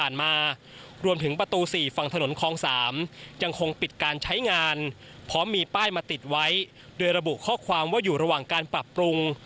และคงปิดการใช้งานพร้อมมีป้ายมาติดไว้โดยระบุข้อความว่าอยู่ระหว่างการปรับปรุง